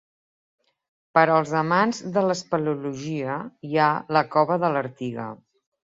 Per als amants de l'espeleologia hi ha la cova de l'Artiga.